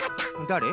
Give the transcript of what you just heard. だれ？